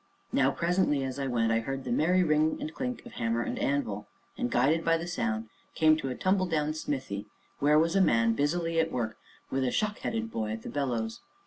Now, presently, as I went, I heard the merry ring and clink of hammer and anvil, and, guided by the sound, came to a tumbledown smithy where was a man busily at work, with a shock headed boy at the bellows.